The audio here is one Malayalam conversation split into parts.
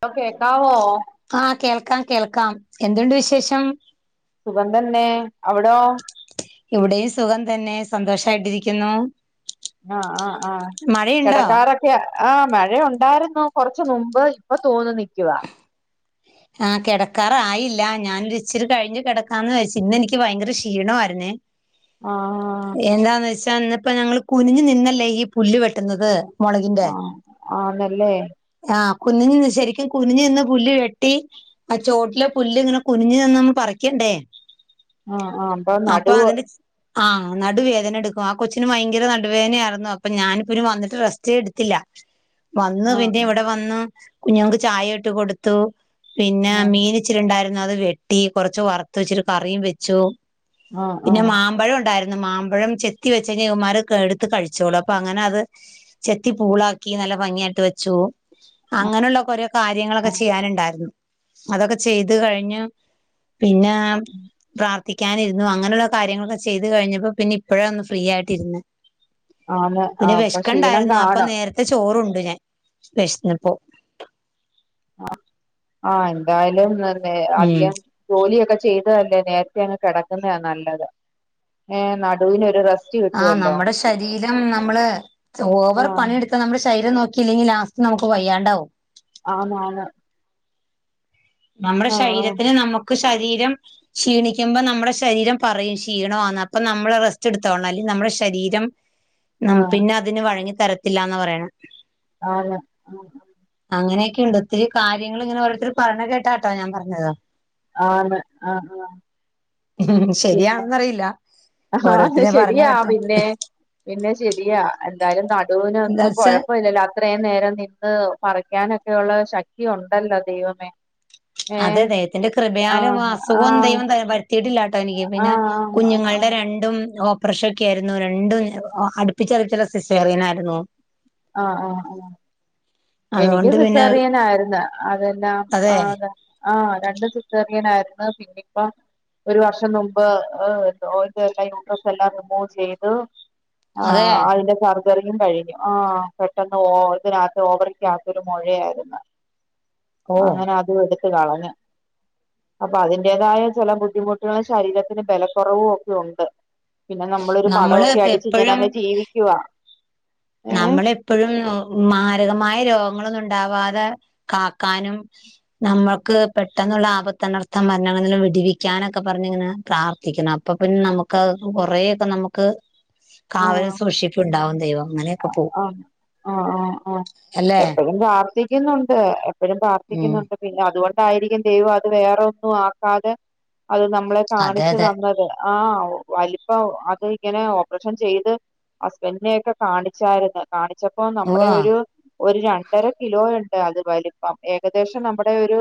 ഹലോ കേക്കാവോ ആഹ് കേൾക്കാം കേൾക്കാം എന്തുണ്ട് വിശേഷം സുഖം തന്നെ അവിടോ ഇവിടെയും സുഖം തന്നെ സന്തോഷായിട്ടിരിക്കുന്നു ആഹ് ആഹ് ആഹ് മഴയുണ്ടോ? കെടക്കാറൊക്കെ ല്ല്യാ ആഹാ മഴയൊണ്ടാരുന്നു കൊറച്ച് മുമ്പ് ഇപ്പൊ തോന്നു നിക്കുവാ ആഹ് കെടക്കാറായില്ല ഞാനൊരിച്ചിരി കഴിഞ്ഞു കിടക്കാന്ന് വെച്ചു ഇന്നെനിക്ക് ഭയങ്കര ക്ഷീണവാരുന്നേ ആഹ് എന്താന്ന് വെച്ചാ ഇന്നിപ്പൊ ഞങ്ങള് കുനിഞ്ഞ് നിന്നല്ലേ ഈ പുല്ല് വെട്ടുന്നത് മുളകിന്റെ ആഹ് ആന്നല്ലേ ആഹ് കുനിഞ്ഞിന്നു ശരിക്കും കുനിഞ്ഞ് നിന്ന് പുല്ല് വെട് ട്ടി ആ ചോട്ടിലെ പുല്ല് ഇങ്ങനെ കുനിഞ്ഞ് നിന്ന് നമ്മള് പറിക്കണ്ടേ ആഹ് ആഹ് അപ്പൊ നടുവ് അതിന്റെ ആഹ് നടുവേദന എടുക്കും ആ കൊച്ചിന് ഭയങ്കര നടുവേനയാരുന്നു അപ്പൊ ഞാനിപ്പിനു വന്നിട്ട് റെസ്റ്റേ എടുത്തില്ല വന്ന് പിന്നെ ആഹ് ഇവടെ വന്നു കുഞ്ഞുങ്ങക്ക് ചായ ഇട്ട് കൊടുത്തു പിന്നെ ആഹ് മീന് ച്ചിരണ്ടാരുന്നു അത് വെട്ടി കൊറച്ച് വറുത്ത് ഇച്ചിരി കറീം വെച്ചു ആഹ് പിന്നെ ആഹ് മാമ്പഴം ഒണ്ടാരു ന്ന് മാമ്പഴം ചെത്തി വെച്ച്കയ്ഞ്ഞാ ഇവന്മാര് അക്കെ എടുത്ത് കഴിച്ചോളും അപ്പൊ അങ്ങനെ അത് ചെത്തി പൂളാക്കി നല്ല ഭംഗിയായിട്ട് വെച്ചു അങ്ങനെയുള്ള കൊരേ കാര്യങ്ങളൊക്കെ ആഹ് ചെയ്യാനുണ്ടാരുന്നു അതൊക്കെ ചെയ്ത് കഴിഞ്ഞു പിന്നെ പ്രാർ ത്ഥിക്കാനിരുന്നു അങ്ങനൊള്ള കാര്യങ്ങളൊക്കെ ചെയ്തു കഴിഞ്ഞപ്പോ പിന്നെ ഇപ്പഴാ ഒന്ന് ഫ്രീആയിട്ടിരുന്നേ ആന്ന് പിന്നെ ആഹ് അപ്പൊ ക്ഷീണം വെശ്ക്കണ്ടായിരുന്നു അപ്പൊ കാണും നേരത്തെ ചോറുണ്ടു ഞാൻ വെശ്ന്നപ്പോ ആഹ് ആഹ് എന്തായാലും ന്നെ വേ ഉം അധികം ജോലിയൊക്കെ ചെയ്തതല്ലേ നേരത്തെ അങ്ങ് കെടക്കുന്നയ നല്ലത് ഏഹ് നടുവിനൊരു റെസ്റ്റ്‌ ആഹ് നമ്മടെ ശരീരം നമ്മള് ഓവർ ആഹ് പണിയെടുത്താ നമ്മടെ ശരീരം നോക്ക ക്കില്ലെങ്കി ലാസ്റ്റ് നമുക്ക് വയ്യാണ്ടാവും ആന്നു ആന്ന് നമ്മുടെ ആഹ് ശരീരത്തിന് നമുക്ക് ശരീരം ക്ഷീണിക്കുമ്പോ നമ്മുടെ ശരീരം പറയും ക്ഷീണാവാന്ന് അപ്പൊ നമ്മള് റെസ്റ്റ് എടുത്തോളണം അല്ലെ നമ്മുടെ ശരീരം അം ആഹ് പിന്നെ അതിന് വഴങ്ങി തരത്തില്ലാന്നാ പറേണേ ആന്ന് ആഹ് ആഹ് അങ്ങനെയൊക്കെയുണ്ട് ഒത്തിരി കാര്യങ്ങള് ഇങ്ങനെ ഓരോരുത്തര് പറേണേ കേട്ടാട്ടോ ഞാൻ പറഞ്ഞത് ആന്ന് ആഹ് ആഹ് പിന്നെ ശരിയാണെന്നറിയില്ല അഹാ ഓരോരുത്തര് പറഞ്ഞ ശെരിയാ കേട്ടെ പിന്നേ പിന്നെ ശെരിയാ എന്തായാലും എന്താ നടുവിനൊന്നും വച്ചാ കൊഴപ്പൊല്ലല്ലൊ അ ത്രയും നേരം നിന്ന് പറിക്കാനൊക്കെയുള്ള ശക്തി ഉണ്ടല്ലോ ദൈവമേ അതെ ഏഹ് തെ ദൈവത്തിന്റെ കൃപയാലും ആഹ് അസുഖവും ആഹ് ദൈവം തെരാ വര് ത്തീട്ടില്ലാട്ടോ എനിയ്ക്ക്. പിന്നെ ആഹ് ആഹ് കുഞ്ഞുങ്ങളുടെ ആഹ് രണ്ടും ഓ പ്രേഷൊക്കെ ആയിരുന്നു രണ്ടും ഒ അടുപ്പിച്ചടുപ്പിച്ചുള്ള സിസേറിയനായിരുന്നു ആഹ്, ആഹ്, ആഹ് എനിയ്ക്കും അതുകൊണ്ട് പിന്നെ സിസേറിയനായിരുന്നാ അതെല്ലാം അതെ ആ താ ആഹ് രണ്ടും സിസേറിയനായിരുന്നു പിന്നെപ്പൊ ഒരു വർഷം നുമ്പ് ഒ ഓവ് ലേക്കായി യൂട്രസ് എല്ലാം റിമൂവ് ചെയ്ത് അതെ ആഹ് അയിന്റെ സർജറിയും കഴിഞ്ഞു. ആഹ്, പെട്ടെന്ന് ഓ ഇതിനകത്ത് ഓവറിയ്ക്കകത്ത് ഒരു മൊഴായായിരുന്നു. ഓ അങ്ങനെ അതും എട്ത്ത് കളഞ്ഞു. അപ്പൊ അതിന്റെതായ ചെല ബുദ്ധിമുട്ടുകളും ശരീരത്തിന് ബലക്കുറവും ഒക്കെ ഉണ്ട് പിന്നെ നമ്മളൊരു നമ്മള് പടഒക്കെ ഇപ്പ അടിച്ച് ഇങ്ങനെ എപ്പഴും അങ്ങ് ജീവിക്കുവാ ഏഹ് നമ്മളെപ്പഴും ഉം മാരകമായ രോഗങ്ങളൊന്നുംണ്ടാവാതെ കാക്കാനും നമ്മൾക്ക് പെട്ടെന്നുള്ള ആപത്തനർത്ഥം മരണങ്ങൾന്നെല്ലം വിടിവിയ്ക്കാനൊക്കെ പറഞ്ഞിങ്ങനെ പ്രാർത്ഥിക്കണം അപ്പൊ പിന്നെ നമുക്ക് കൊറേയൊക്കെ നമുക്ക് കാവല് ആഹ് സൂക്ഷിപ്പ്ണ്ടാവും ദൈവം അങ്ങനെ ആഹ്, ആഹ്, ആഹ്, ആഹ് അല്ലെ എപ്പഴും പ്രാർത്ഥിക്കുന്നുണ്ട് എപ്പഴും ഉം പ്രാർത്ഥിക്കുന്നുണ്ട്. പിന്നെ അതുകൊണ്ടായിരിക്കും ദൈവം അത് വേറെ ഒന്നും ആക്കാതെ അത് നമ്മളെ അതെ കാണിച്ച് അതെ തന്നത്. ആഹ്, വ വലിപ്പം അത് ഇങ്ങനെ ഒ പ്പറേഷൻ ചെയ്ത് ഹസ്ബൻഡിനെയൊക്കെ കാണിച്ചായിര്ന്ന്. കാണിച്ചപ്പം നമ്മുടെ ഉവ്വാ ഒരു ഒരു രണ്ടര കിലോ ഉണ്ട് അത് വലിപ്പം ഏകദേശം നമ്മുടെ ഒരു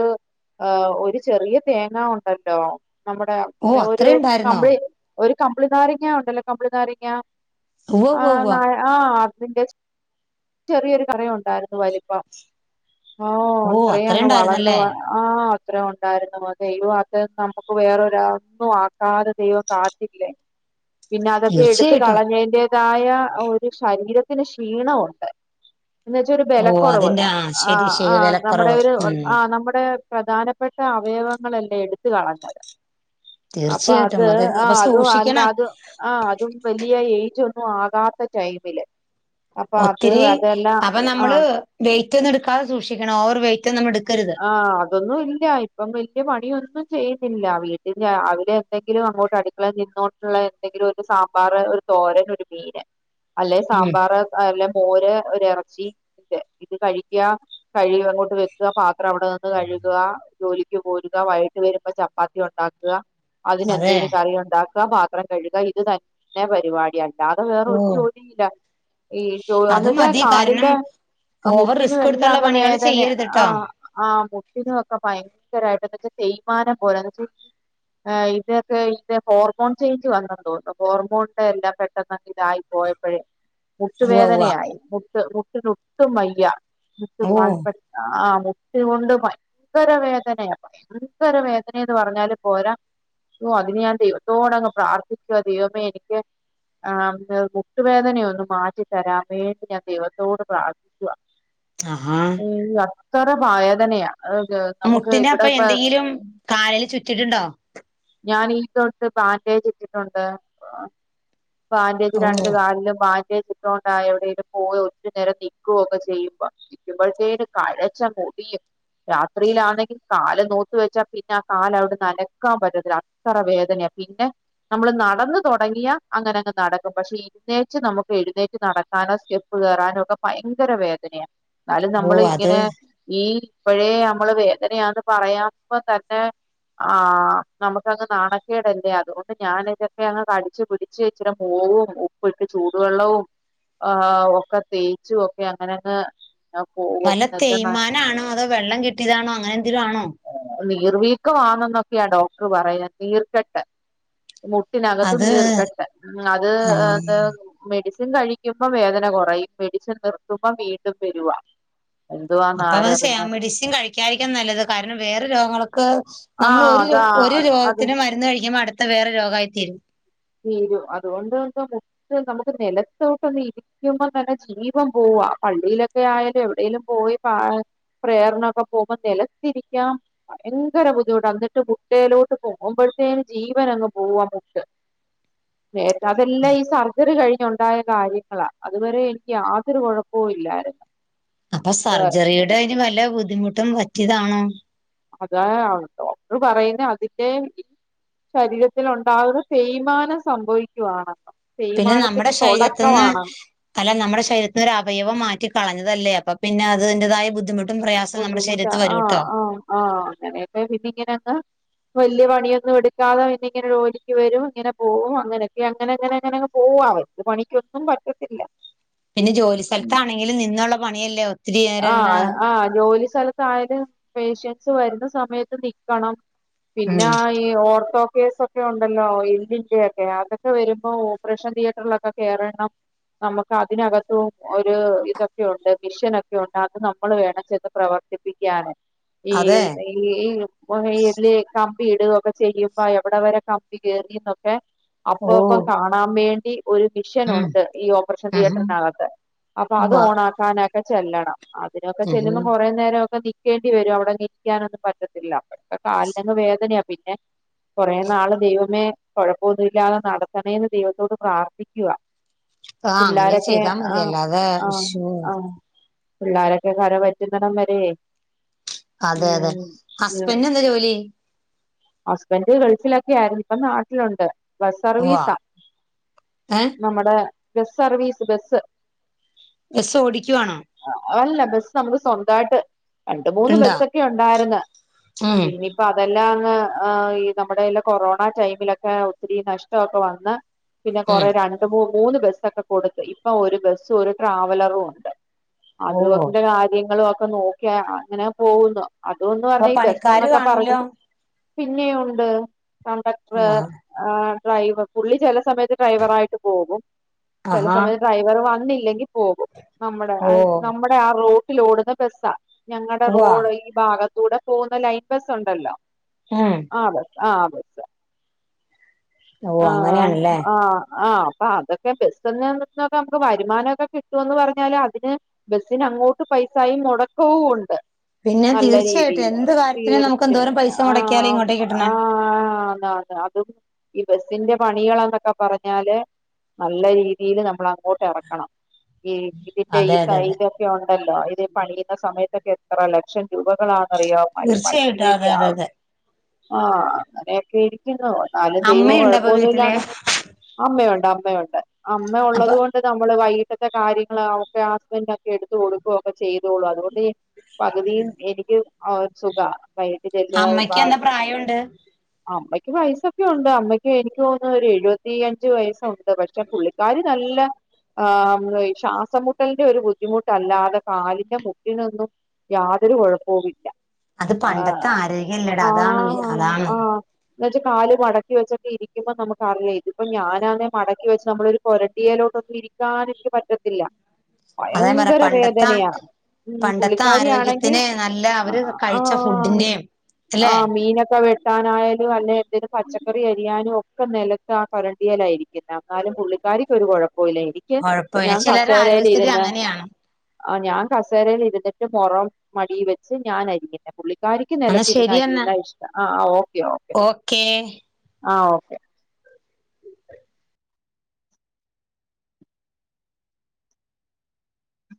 ആഹ്, ഒരു ചെറിയ തേങ്ങ ഉണ്ടല്ലോ നമ്മുടെ ഓ ഒരു അത്രേ ഉണ്ടായിരുന്നോ കമ്പ്ളി ഒരു കമ്പിളി നാരങ്ങ ഉണ്ടല്ലോ കമ്പിളി നാരങ്ങ ഉവ്വ ഉവ്വ ആഹ് ഉവ്വ നാ ആഹ് അതിന്റെ ചെറിയൊരു കറയുണ്ടായിരുന്നു വലിപ്പം ഓഹ് ഓ അത്രയും അത്ര അങ്ങ് വളർന്നുവ ഉണ്ടായിരുന്നല്ലേ ആഹ്, അത്ര ഒണ്ടായിരുന്നു ആഹ് ദൈവം അത്ര നമുക്ക് വേറൊരാക്കും ആക്കാതെ ദൈവം കാത്തില്ലേ പിന്നെ അതൊക്കെ എട്ത്ത് തീർച്ചയായിട്ടും കളഞ്ഞെയ്ൻ്റെതായ ഒരു ശരീരത്തിന് ക്ഷീണവുണ്ട് എന്നുവെച്ചാ ഒരു ഓ ബെലക്കൊറവ് അതിന്റെ ആ ശരി ആഹ്, ശരി ആഹ് നമ്മുടെ വിലക്കുറവ് ഒരു ഉം ആഹ് നമ്മുടെ പ്രധാനപ്പെട്ട അവയവങ്ങളല്ലേ എട്ത്ത് കളഞ്ഞത്. അപ്പൊ തീർച്ചയായിട്ടും അത് അപ്പൊ ആഹ് അതും അല്ല സൂക്ഷിക്കണം അത് ആഹ് അതും വലിയ ഏജ് ഒന്നും ആകാത്ത ടൈമില് അപ്പൊ അത് ഒത്തിരി അതെല്ലാം അപ്പൊ ആ നമ്മള് വെയിറ്റ് ഒന്നും എടുക്കാതെ സൂക്ഷിക്കണം ഓവർ വെയ്റ്റ് ഒന്നും നമ്മ എടുക്കരുത് ആഹ് അതൊന്നും ഇല്ല ഇപ്പം വലിയ പണിയൊന്നും ചെയ്യുന്നില്ല. വീട്ടിൽ രാവിലെ എന്തെങ്കിലും അങ്ങോട്ട് അടി ള നിന്നോണ്ടുള്ള എന്തെങ്കിലും ഒരു സാമ്പാറ് ഒരു തോരന് ഒരു മീന് അല്ലെ ഉം സാമ്പാറ് അതല്ലെ മോര് ഒര് എറച്ചി ന്റെ ഇത് കഴിക്ക കഴികി അങ്ങോട്ട് വെക്ക പാത്രം അവിടെ നിന്ന് കഴുകുവാ ജോലിക്ക് പോരുക വൈകിട്ട് വരുമ്പോ ചപ്പാത്തി ഉണ്ടാക്കാ അതിന് അതെ എന്തേലും കറി ഉണ്ടാക്ക പാത്രം കഴുക ഇത് തന്നെ പരിപാടിയാണ് അല്ലാതെ വേറൊ ഓ ഒരു ജോലി ഇല്ല ഈ ചോ അത് എന്ന് വച്ചാ മതി കാരണം കാലിന്റെ ഓവർ മുട്ടിനും റിസ്ക് എല്ലാം എടുത്തുള്ള അങ്ങ് പണികൾ വേദന. ചെയ്യരുത്ട്ടോ ആഹ് ആഹ് മുട്ടിനൊക്കെ ഭയങ്കരമായിട്ട് എന്ന് വച്ചാ തെയ്മാനം പോലെ വെച്ചാ ആഹ് ഇതൊക്കെ ഇത് ഹോർമോൺ ചേഞ്ച് വന്നെത്തൊന്നു ഹോർമോണിന്റെ എല്ലാം പെ പെട്ടന്നങ്ങനായി പോയപ്പോഴേ ഉവ്വ മുട്ടുവേദനയായി മുട്ട് മുട്ടിന് ഒട്ടും വയ്യ മുട്ട് ഉവ്വ ഓ [unintelligible] ആഹ് ഇതുകൊണ്ട് ഭയങ്കര വേദനയാ ഭയങ്കര വേദനയാന്ന്. പറഞ്ഞാലും പോരാ ഓ അതിന് ഞാൻ ദൈവത്തോടങ് പ്രാർത്ഥിക്കുക. ദൈവമേ എനിക്ക് ആഹ് മുട്ടുവേദനയൊന്ന് മാറ്റിത്തരാൻ വേണ്ടി ഞാൻ ദൈവത്തോട് പ്രാർത്ഥി വ ആഹാ അത്ര വേദനയ [unintelligible] മുട്ടിന് അപ്പൊ എന്തെങ്കിലും കാലൽ ചുറ്റിട്ടുണ്ടോ? ഞാൻ ഈ തൊട്ട് ബാൻഡേജ് ഇട്ടിട്ടുണ്ട്. ബാൻഡേജ് ഓ രണ്ട് കാലിലും ബാ [unintelligible] കൊണ്ടായ എവിടെയങ്കിലും പോയോ ഒത്തിരി നേരം നിൽക്കുവോ ഒക്കെ ചെയ്യുമ്പോ ഇമ്പഴത്തേനു കഴ്ച്ച മൂടിയും. രാത്രിയിലാണെങ്കിൽ കാല് നോത്ത് വെച്ചാ പിന്നെ ആ കാല് അവിടുന്ന് അനക്കാൻ. പ അത്ര വേദനയാ പിന്നെ നമ്മള് നടന്ന് തുടങ്ങിയാ അങ്ങനെ അങ്ങ് നടക്കും. പക്ഷെ ഈ പെതേഗിച്ച് നമുക്ക് എഴുന്നേറ്റ് നടക്കാനോ സ്റ്റെപ്പ് കേറാനോ ഒക്കെ ഭയങ്കര വേദനയാ. ന്നാലും ഓ നമ്മൾ അത് ഇങ്ങനെ ഈ ഇപ്പോഴേ നമ്മള് വേദനയാന്ന് പറയാപ തന്നെ ആഹ് നമുക്ക് അങ്ങ് നാണക്കേടല്ലേ അതുകൊണ്ട് ഞാന് ഇതൊക്കെ അങ്ങ് കടിച്ചച്ച് പിടിച്ച് ഇച്ചിരി മോവും. പോയിട്ട് ചൂടുവെള്ളവും ആ ഒക്കെ തേച്ചും ഒക്കെ അങ്ങനെങ് വല്ല തേയ്മാനാണോ അതോ വെള്ളം കിട്ടിയതാണോ അങ്ങനെ എന്തെങ്കിലും ആണോ നീർ വീക്കമാണെന്നൊക്കെയാ ഡോക്ടർ പറയ നീർക്കെട്ട്. മുട്ടിനകത്ത് അത് നീർക്കട്ട് ഉ അത് ആ എന്താ മെഡിസിൻ കഴിക്കുമ്പോ വേദന കുറയും. മെഡിസിൻ നിർത്തുമ്പോ വീണ്ടും വരുവാ എന്തുവാന്ന് ആരറിഞ്ഞു. [inaudible] യിരിക്കും നല്ലത് കാരണം വേറെ രോഗങ്ങൾക്കെ നമ്മൾ ആഹ് ഒരു അതാ ഒരു അത് രോഗത്തിന് മരുന്ന് കഴിക്കുമ്പോ അടു ഇ വേറെ രോഗമായി തീരും. തീരും അതുകൊണ്ട് മുട്ട നമുക്ക് നിലത്തോട്ട് നീ കുമ്പം തന്നെ ജീവം പോവാ പള്ളിയിലൊക്കെ ആയാലും എവിടെേങ്കലും പോയി പ പ്രയറിന് ഒകെ പോകുമ്പോൾ നിലത്തിരിക്കാം. ഭയങ്കര ബുദ്ധിമുട്ട് എന്നിട്ട് മുട്ടയിലോട്ട് പോകുമ്പോഴത്തേും ജീവൻങ്ങ് പോവാൻ മുട്ട്. നേത്തെ അതെല്ലാം ഈ സർജറി കഴിഞ്ഞുണ്ടായ കാര്യങ്ങളാ അതുവരെ എനിക്ക് യാതൊരു കുഴപ്പവും ഇല്ലായിരുന്നു. അപ്പൊ ഇത് സർജറിയുടെ അതിന് വല്ല ബുദ്ധിമുട്ടും പറ്റിയതാണോ? അതാ ഡോക്ടർ പറയുന്ന അതിന്റെ. ശരീരത്തിൽ ഉണ്ടാവുന്ന തേയ്മാനം സംഭവിക്കുകയണ്. പിന്നെ നമ്മുടെ തേമാനത്തിന്റെ ശരീരത്തിന്ന് തുടക്കമാണ്. അല്ല നമ്മുടെ ശരീരത്തിന ഒരു അവയവം മാറ്റി കളഞ്ഞതല്ലേ അപ്പൊ പിന്നെ അതിൻ്റതായ ബുദ്ധിമുട്ട്. പ്രയാസം നമ്മുടെ ശരീരത്ത് വരൂം ട്ടോ? ആഹ അങ്ങനെയൊക്കെ പിന്നെഇങ്ങനെന്ന്. വലിയ പണിയൊന്നും എടുക്കാതെ ഇന്നെ ഇങ്ങനെ ജോലിക്ക് വരും. ഇങ്ങനെ പോകും. അങ്ങനൊക്കെ അങ്ങനെ അങ്ങനെ അങ്ങനെ അങ് പോവേ. ഒരു പണിക്കൊന്നും പറ്റ പിന്നെ ജോലി സ്ഥലത്താണെങ്കിലും നിന്നുള്ള പണിയല്ലോ ആഹ് ആഹ് ജോലി സ്ഥലത്തായാലും പേഷ്യൻസ് വരുന്ന സമയത്ത് നിക്കണം. ഉം പിന്നാ ഈ ഓർത്തോ കേസൊ ക്കെ ഉണ്ടല്ലോ എല്ലിൻ്റെയൊക്കെ. അതൊക്കെ വരുമ്പോ ഓപ്പറേഷൻ തിയേറ്ററിലൊക്കെ കേറണം. നമുക്ക് അതിനകത്തും ഒരു ഇതൊക്കെയുണ്ട് മിഷനൊ ക്കെ ഉണ്ട്. അത് നമ്മൾ വേണം ചെന്ന് പ്രവർത്തിപ്പിക്കാന്. ഈ അതെ ഈ ഈ [unintelligible] കം മ്പി ഇടുകൊക്കെ ചെയ്യുമ്പോ എവിടെ വരെ കമ്പി കേറീന്നൊക്കെ അപ്പ ഓ അപ്പം കാണാൻ വേണ്ടി ഒരു മിഷൻ ഉം ഉണ്ട് ഈ ഓപ്പറേഷൻ ഉം തീയേറ്ററിനകത്ത്. അപ്പൊ അത് ഉവ്വ ഓൺ ആക്കാനൊക്കെ ചെല്ലണം. അതിനൊക്കെ ഉം ചെല്ലുമ്പം കൊറേ നേരം ഒക്കെ നിക്കേണ്ടി വരും. അവിടെ നിക്കാനൊന്നും പറ്റത്തില്ല [unintelligible] കാലിനങ്ങ് വേദനയാ. പിന്നെ കൊറെ നാള് ദൈവമേ കുഴപ്പൊന്നു ഇല്ലാതെ നടത്തണേന്ന് ദൈവത്തോട് പ്രാർത്ഥിക്കുവാ. ആ അങ്ങനെ പിള്ളാരൊക്കെ ചെയ്താ മതി ആഹ് അല്ലാതെ ആഹ് ശോ ആഹ് പിള്ളാരൊക്കെ കര പറ്റുന്നെടം വരെ. അതെ അതെ ഉം ഹസ്ബൻ്റ്ന് എന്താ ജോലി? ഹസ്ബൻഡ് ഗൾഫിലൊക്കെ ആയിരുന്നു. ഇപ്പം നാട്ടിലുണ്ട്. ബസ് ഉവ്വ സർവീസാ. ഏ നമ്മുടെ ബസ് സർവീസ് ബസ്. ബസ് ഓടിക്കുവാണോ? അല്ല ബസ് നമുക്ക് സ്വന്തായിട്ട്. രണ്ട് മൂന്ന് ഇണ്ടാ ബസ്സൊക്കെ ഉണ്ടാര്ന്ന്. ഉം പിന്നിപ്പോ അതെല്ലാം അങ്ങ് ഏഹ് ഈ നമ്മുടെല്ല കൊറോണ ടൈമിലൊക്കെ ഒത്തിരി നഷ്ടമൊക്കെ വന്ന്. പിന്നെ ഉം കൊറെ രണ്ട് മൂ മൂന്ന് ബസ്സൊക്കെ കൊടുത്ത് ഇപ്പം ഒരു ബസ്സും ഒരു ട്രാവലറൂ ണ്ട്. ഓ അതു അത് ന്റെ കാര്യങ്ങളും ഒക്കെ നോക്കി അങ്ങനെ പോവുന്നു. അതൂന്ന് അപ്പൊ പറഞ്ഞാ ഈ ബസ് പണിക്കാര് എന്നൊക്കെ പറഞ് കാണൂലോ പിന്നെയുണ്ട് കണ്ടക്ടർ ആ ഏഹ് ഡ്രൈവ് പുള്ളി ചെല സമയത്ത് ഡ്രൈവർ ആയിട്ട് പോകും. ചെല ആഹാ സമയത്ത് ഡ്രൈവർ വന്നില്ലെങ്കി പോകും. നമ്മടെ ഓ അയ് നമ്മടെ ആ റോട്ടിലോടുന്ന ബെസ്സാ. ഞങ്ങടെ ഉവ്വ റോഡ് ഈ ഭാഗത്തൂടെ പോവുന്ന ലൈൻ ബസുണ്ടല്ലോ. ആഹ് ആ ബസ് ആഹ് ബസ്സ്. ഓ ആഹ് അങ്ങനെയാണല്ലേ ആഹ് ആഹ് അപ്പതൊ ക്കെ ബസ് ന്ന് [unintelligible] നമുക്ക് വരുമാനൊക്കെ കിട്ടുവൊന്ന് പറഞ്ഞാലും അതിന് ബസ്സിന് അങ്ങോട്ട് പൈസായും മൊടക്കവുവുണ്ട്. പിന്നെ നല്ല തീർച്ചയായിട്ടും രീതീല് എന്ത് കാര്യത്തിനും നമുക്ക് എന്തോരം തീർച്ചയായും പൈസ മുടക്കിയാലും ആം ഇങ്ങോട്ടേക്ക് കിട്ടണേ ആഹ് ആന്ന് ആന്ന് അം തും ഈ ബസിന്റെ പണികളൊന്നൊക്കെ പറഞ്ഞാല് നല്ല രീതീല് നമ്മളങ്ങോട്ട് എറക്കണം. ഈ ഇതിന്റെ ഈ അതെ അതെ അതെ സൈഡൊക്കെ ഉണ്ടല്ലോ ഇത് പണിയുന്ന സമയത്തൊക്കെ എത്ര ലക്ഷം രൂപകളാന്നറിയാമോ പണി പണിക്ക് തീർച്ചയായിട്ടും അതെ അതെ വേണ്ടിയാവ് അതെ ആഹ് അങ്ങനെയൊക്കെ ഇരിക്കുന്നു. ഇന്നാലും ദൈവും അമ്മയുണ്ടോ അപ്പൊ കൊഴപ്പോന്നു വീട്ടില് ഇല്ലാതെ അമ്മയുണ്ട് അമ്മയുണ്ട് അമ്മ ഉള്ളത് അപ്പൊ കൊ ണ്ട് നമ്മള് വൈകിട്ടത്തെ കാര്യങ്ങൾ ഒക്കെ ഹസ്ബൻ്റൊക്കെ എടുത്തു കൊടുക്കൊക്കെ ചെയ്തോള്ളു. അതുകൊണ്ടീ പകുതിയും എനിക്ക് ആഹ് ഒര് സുഖാ വൈകിട്ട് ചെല്ലു അമ്മയ്ക്ക് നല്ല [unintelligible] പ്രായമുണ്ട് അമ്മയ്ക്ക് വയസൊക്കെയുണ്ട് അമ്മയ്ക്ക് എനിക്ക് തോന്നുന്നു ഒരു എഴുപത്തിയഞ്ച് വയസ്സു ണ്ട് പക്ഷെ പുള്ളിക്കാരി നല്ല ഏഹ് മൃയ് ശ്വാസംമുട്ടൽന്റെ ഒരു ബുദ്ധിമുട്ടല്ലാതെ കാലിന്റെ മുട്ടിനൊന്നും യാതൊരു കൊഴപ്പവു ഇല്ല. അത് പണ്ടത്തെ ആരോഗ്യല്ലട അതാണ് അതാണ്. ന്നെച്ച് കാല് മട ക്കി വെച്ചൊക്കെ ഇരിക്കുമ്പോ നമുക്ക്റിയേ ഇപ്പ ഞാനാന്നെ മടക്കി വെച്ച് നമ്മള ഒരു കൊരടിയലോട്ടൊന്നു ഇരി ക്കാന്ൻക്ക് പറ്റത്തില്ല അതാ ഞാൻ പറഞ്ഞെ ഭയങ്കര പണ്ടത്തെ വേദനയാ. ഉം പണ്ടത്തെ പുള്ളിക്കാരിയാണെങ്കിൽ ആരോഗ്യത്തിന് നല്ല അവര് കഴിച്ച അആഹ് ഫുഡിന്റെയും അല്ലെ ആഹ് മീനൊക്കെ വെട്ടാനായാലും അല്ലേ തിനു പച്ച ക്കറി അരിയാനൊക്കെ നെലത്താ കൊരണ്ടിയേലായിരിക്കുന്നെ. എന്നാലും പുള്ളിക്കാരിക്കൊരു കൊഴപ്പൂല്ല എനി ഞൻ കൊഴപ്പമില്ല ഞാൻ ചിലരെ ആരോഗ്യസ്ഥിതി കസേരലിരുന്ന്. അങ്ങനെയാണ് ആഹ് ഞാൻ കസേരയിൽ ഇരുന്നിട്ട് മൊറം മടീ വെച്ച് ഞാനരിയ്ന്നേ. പുള്ളിക്കാരിക്ക് എന്നാ നെലത്തിരുന്ന് ശരിയെന്നാ അരിയുന്ന ഇഷ്ടം ആഹ് ഓക്കെ ഓക്കെ. ക്കെ ആഹ് ഓക്കെ.